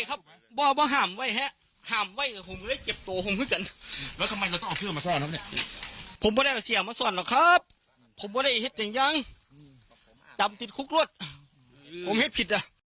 ครับผมว่าได้อีกเห็นอย่างยังจำจิขุกลุ๊ดผมเห็นผิด